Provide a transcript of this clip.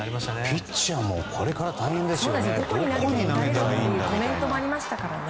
ピッチャーもこれから大変ですよね。